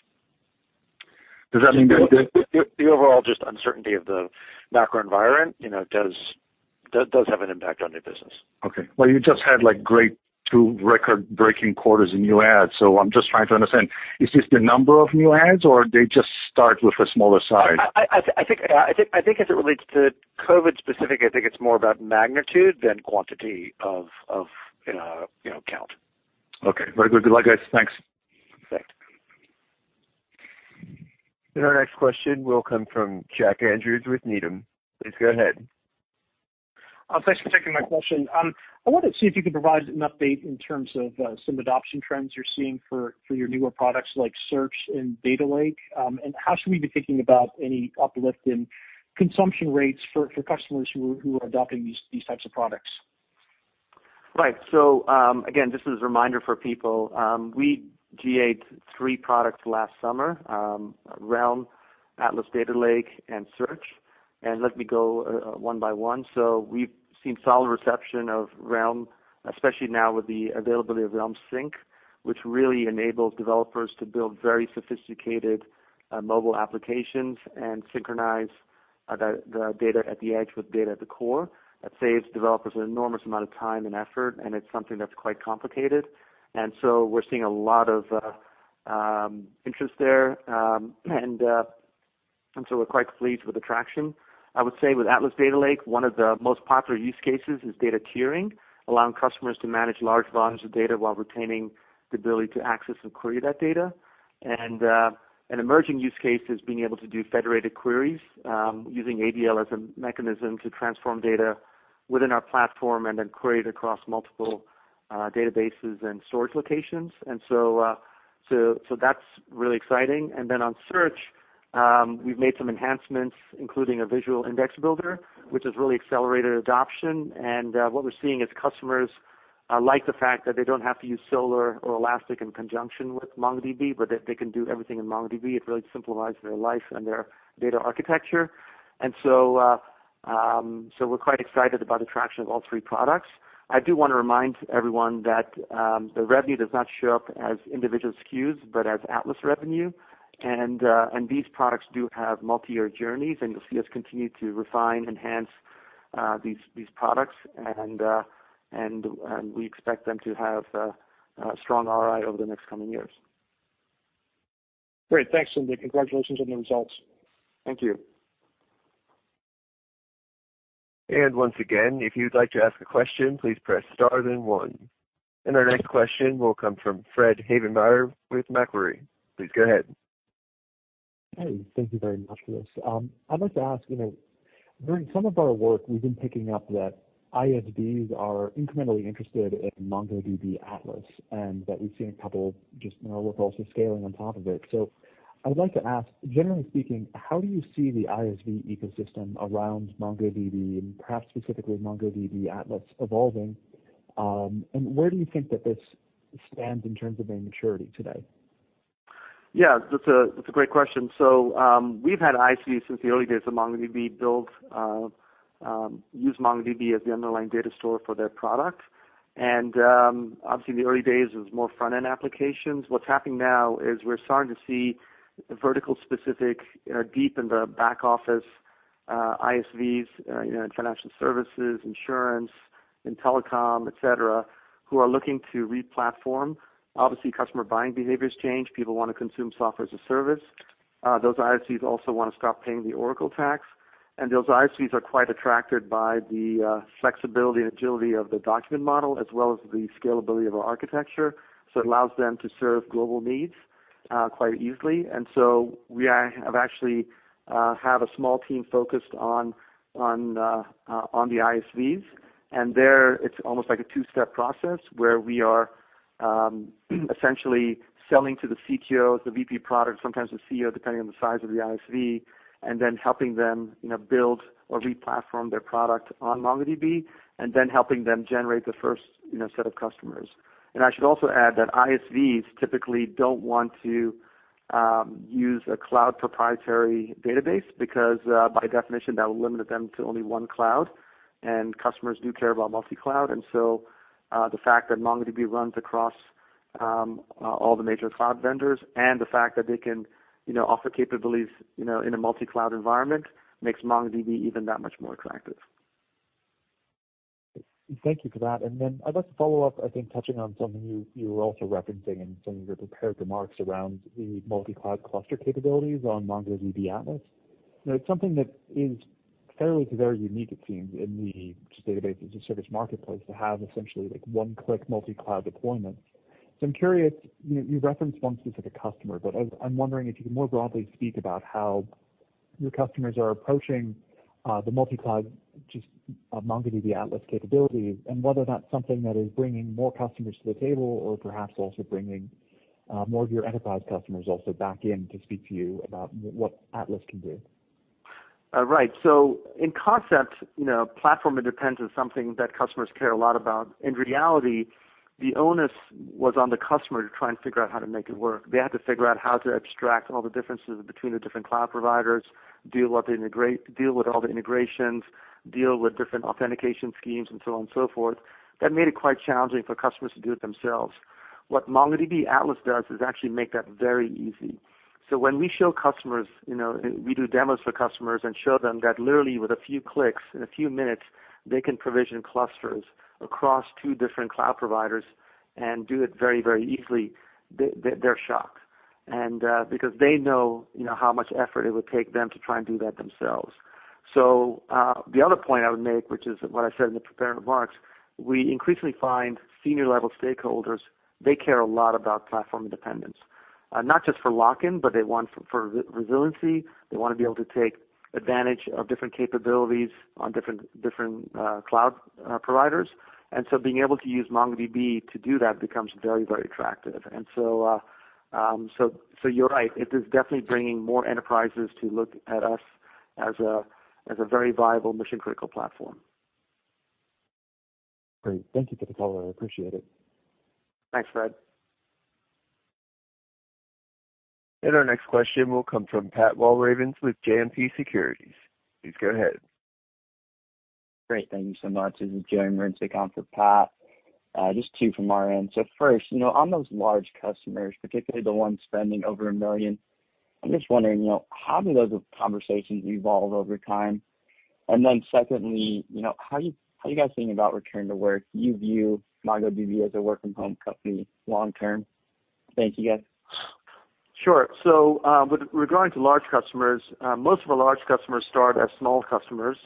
Does that mean that- The overall just uncertainty of the macro environment does have an impact on new business. Okay. Well, you just had great two record-breaking quarters in new adds. I'm just trying to understand, is this the number of new adds or they just start with a smaller size? I think as it relates to COVID specific, I think it's more about magnitude than quantity of count. Okay. Very good. Good luck, guys. Thanks. Thanks. Our next question will come from Jack Andrews with Needham. Please go ahead. Thanks for taking my question. I wanted to see if you could provide an update in terms of some adoption trends you're seeing for your newer products like Search and Data Lake. How should we be thinking about any uplift in consumption rates for customers who are adopting these types of products? Right. Again, just as a reminder for people, we GA'd three products last summer, Realm, Atlas Data Lake, and Search. Let me go one by one. We've seen solid reception of Realm, especially now with the availability of Realm Sync, which really enables developers to build very sophisticated mobile applications and synchronize the data at the edge with data at the core. That saves developers an enormous amount of time and effort, and it's something that's quite complicated. We're seeing a lot of interest there, and so we're quite pleased with the traction. I would say with Atlas Data Lake, one of the most popular use cases is data tiering, allowing customers to manage large volumes of data while retaining the ability to access and query that data. An emerging use case is being able to do federated queries using ADL as a mechanism to transform data within our platform and then query it across multiple databases and storage locations. That's really exciting. On Search, we've made some enhancements, including a visual index builder, which has really accelerated adoption. What we're seeing is customers like the fact that they don't have to use Solr or Elastic in conjunction with MongoDB, but that they can do everything in MongoDB. It really simplifies their life and their data architecture. We're quite excited about the traction of all three products. I do want to remind everyone that the revenue does not show up as individual SKUs, but as Atlas revenue. These products do have multi-year journeys, and you'll see us continue to refine, enhance these products. We expect them to have a strong ROI over the next coming years. Great. Thanks, Dev. Congratulations on the results. Thank you. Once again, if you'd like to ask a question, please press star then one. Our next question will come from Fred Havemeyer with Macquarie. Please go ahead. Hey, thank you very much for this. I'd like to ask, during some of our work, we've been picking up that ISVs are incrementally interested in MongoDB Atlas, and that we've seen a couple just in our work also scaling on top of it. I would like to ask, generally speaking, how do you see the ISV ecosystem around MongoDB and perhaps specifically MongoDB Atlas evolving? Where do you think that this stands in terms of their maturity today? That's a great question. We've had ISVs since the early days of MongoDB build, use MongoDB as the underlying data store for their product. Obviously in the early days, it was more front-end applications. What's happening now is we're starting to see vertical specific, deep in the back office, ISVs, financial services, insurance, in telecom, et cetera, who are looking to re-platform. Obviously, customer buying behaviors change. People want to consume software as a service. Those ISVs also want to stop paying the Oracle tax, and those ISVs are quite attracted by the flexibility and agility of the document model, as well as the scalability of our architecture. It allows them to serve global needs quite easily. We have actually have a small team focused on the ISVs. There, it's almost like a two-step process where we are essentially selling to the CTOs, the VP product, sometimes the CEO, depending on the size of the ISV, and then helping them build or re-platform their product on MongoDB, and then helping them generate the first set of customers. I should also add that ISVs typically don't want to use a cloud proprietary database because, by definition, that will limit them to only one cloud, and customers do care about multi-cloud. The fact that MongoDB runs across all the major cloud vendors and the fact that they can offer capabilities in a multi-cloud environment makes MongoDB even that much more attractive. Thank you for that. Then I'd like to follow up, I think, touching on something you were also referencing in some of your prepared remarks around the multi-cloud cluster capabilities on MongoDB Atlas. It's something that is fairly to very unique, it seems, in the database as a service marketplace to have essentially one-click multi-cloud deployment. I'm curious, you referenced once you said a customer, but I'm wondering if you can more broadly speak about how your customers are approaching the multi-cloud, just MongoDB Atlas capabilities, and whether that's something that is bringing more customers to the table or perhaps also bringing more of your enterprise customers also back in to speak to you about what Atlas can do. Right. In concept, platform independence is something that customers care a lot about. In reality, the onus was on the customer to try and figure out how to make it work. They had to figure out how to abstract all the differences between the different cloud providers, deal with all the integrations, deal with different authentication schemes, and so on and so forth. That made it quite challenging for customers to do it themselves. What MongoDB Atlas does is actually make that very easy. When we show customers, we do demos for customers and show them that literally with a few clicks in a few minutes, they can provision clusters across two different cloud providers and do it very, very easily, they're shocked. Because they know how much effort it would take them to try and do that themselves. The other point I would make, which is what I said in the prepared remarks, we increasingly find senior-level stakeholders, they care a lot about platform independence. Not just for lock-in, but they want for resiliency, they want to be able to take advantage of different capabilities on different cloud providers. Being able to use MongoDB to do that becomes very, very attractive. You're right. It is definitely bringing more enterprises to look at us as a very viable mission-critical platform. Great. Thank you for the color. I appreciate it. Thanks, Fred. Our next question will come from Pat Walravens with JMP Securities. Please go ahead. Great, thank you so much. This is Joey Marincek on for Pat. Just two from our end. First, on those large customers, particularly the ones spending over $1 million, I'm just wondering, how do those conversations evolve over time? Secondly, how are you guys thinking about return to work? Do you view MongoDB as a work from home company long term? Thank you, guys. Sure. With regard to large customers, most of our large customers start as small customers.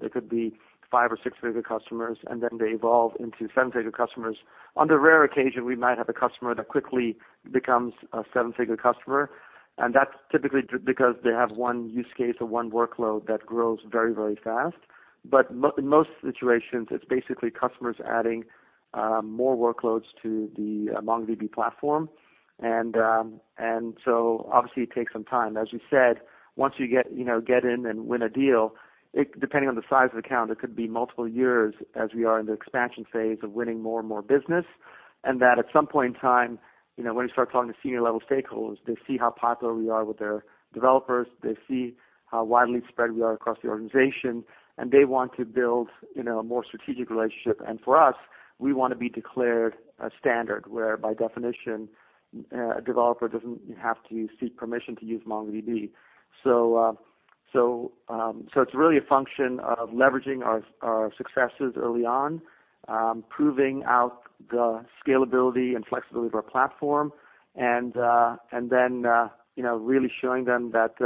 They could be five or six-figure customers, and then they evolve into seven-figure customers. On the rare occasion, we might have a customer that quickly becomes a seven-figure customer, and that's typically because they have one use case or one workload that grows very, very fast. In most situations, it's basically customers adding more workloads to the MongoDB platform. Obviously it takes some time. As you said, once you get in and win a deal, depending on the size of the account, it could be multiple years as we are in the expansion phase of winning more and more business. At some point in time, when we start talking to senior-level stakeholders, they see how popular we are with their developers, they see how widely spread we are across the organization, and they want to build a more strategic relationship. For us, we want to be declared a standard, where by definition, a developer doesn't have to seek permission to use MongoDB. It's really a function of leveraging our successes early on, proving out the scalability and flexibility of our platform, and then really showing them that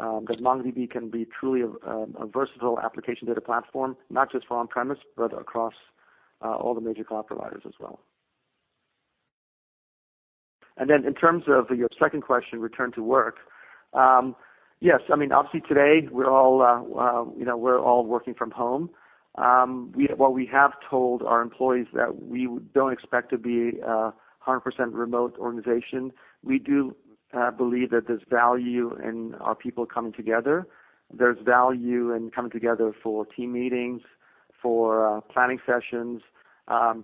MongoDB can be truly a versatile application data platform, not just for on-premise, but across all the major cloud providers as well. In terms of your second question, return to work. Yes, obviously today, we're all working from home. What we have told our employees that we don't expect to be 100% remote organization. We do believe that there's value in our people coming together. There's value in coming together for team meetings, for planning sessions,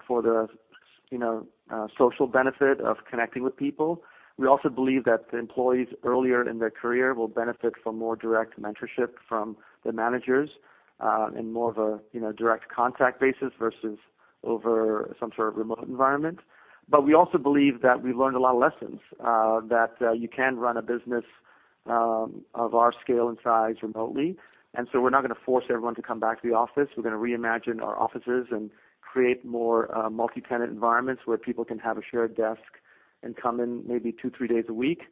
for the social benefit of connecting with people. We also believe that the employees earlier in their career will benefit from more direct mentorship from the managers, in more of a direct contact basis versus over some sort of remote environment. We also believe that we learned a lot of lessons, that you can run a business of our scale and size remotely. We're not going to force everyone to come back to the office. We're going to reimagine our offices and create more multi-tenant environments where people can have a shared desk and come in maybe two, three days a week.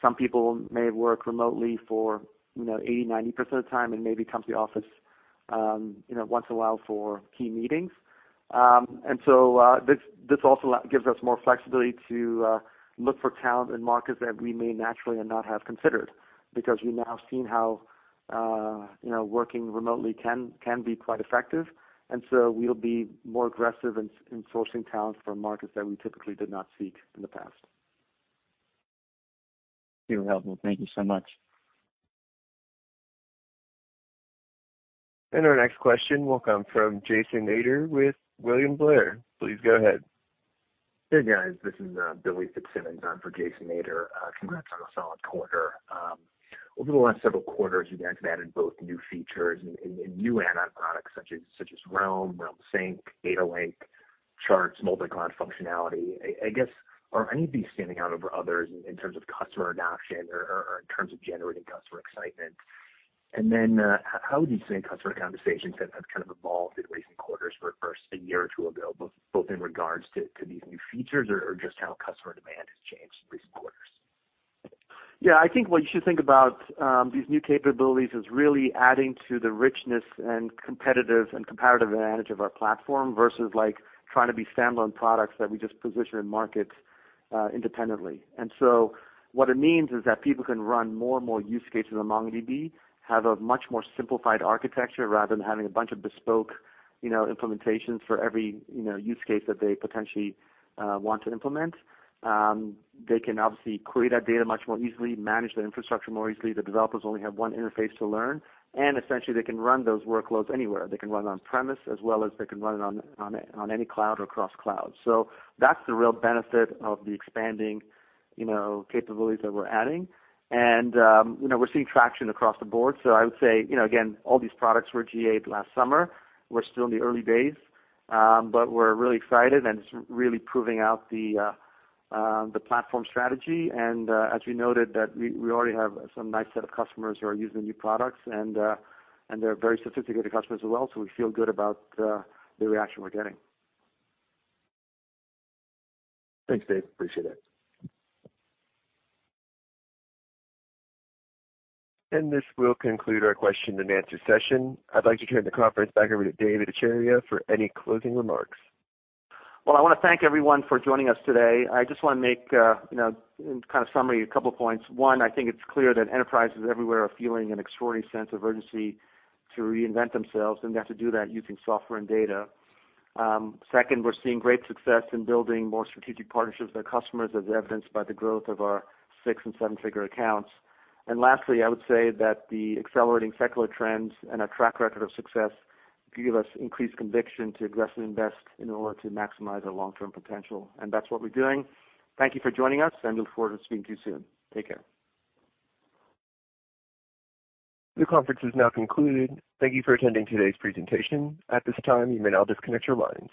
Some people may work remotely for 80%, 90% of the time and maybe come to the office once in a while for key meetings. This also gives us more flexibility to look for talent in markets that we may naturally have not considered because we've now seen how working remotely can be quite effective. We'll be more aggressive in sourcing talent from markets that we typically did not seek in the past. Very helpful. Thank you so much. Our next question will come from Jason Ader with William Blair. Please go ahead. Hey, guys. This is Billy Fitzsimmons on for Jason Ader. Congrats on a solid quarter. Over the last several quarters, you guys have added both new features and new add-on products such as Realm Sync, Data Lake, Charts, multi-cloud functionality. I guess, are any of these standing out over others in terms of customer adoption or in terms of generating customer excitement? How do you see customer conversations have kind of evolved in recent quarters versus a year or two ago, both in regards to these new features or just how customer demand has changed in recent quarters? Yeah, I think what you should think about these new capabilities is really adding to the richness and competitive and comparative advantage of our platform versus trying to be standalone products that we just position in markets independently. What it means is that people can run more and more use cases on MongoDB, have a much more simplified architecture rather than having a bunch of bespoke implementations for every use case that they potentially want to implement. They can obviously query that data much more easily, manage their infrastructure more easily. The developers only have one interface to learn, and essentially they can run those workloads anywhere. They can run on-premise as well as they can run it on any cloud or cross-cloud. That's the real benefit of the expanding capabilities that we're adding. We're seeing traction across the board. I would say, again, all these products were GA-ed last summer. We're still in the early days. We're really excited, and it's really proving out the platform strategy. As we noted that we already have some nice set of customers who are using the new products and they're very sophisticated customers as well, so we feel good about the reaction we're getting. Thanks, Dev. Appreciate it. This will conclude our question and answer session. I'd like to turn the conference back over to Dev Ittycheria for any closing remarks. Well, I want to thank everyone for joining us today. I just want to make in kind of summary, a couple of points. One, I think it's clear that enterprises everywhere are feeling an extraordinary sense of urgency to reinvent themselves, and they have to do that using software and data. Second, we're seeing great success in building more strategic partnerships with our customers, as evidenced by the growth of our six and seven-figure accounts. Lastly, I would say that the accelerating secular trends and our track record of success give us increased conviction to aggressively invest in order to maximize our long-term potential. That's what we're doing. Thank you for joining us, and we look forward to speaking to you soon. Take care. This conference is now concluded. Thank you for attending today's presentation. At this time, you may now disconnect your lines.